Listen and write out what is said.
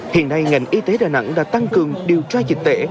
hiện nay ngành y tế đà nẵng đã tăng cường điều tra dịch tễ